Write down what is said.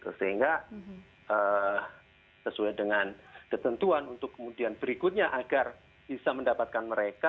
sehingga sesuai dengan ketentuan untuk kemudian berikutnya agar bisa mendapatkan mereka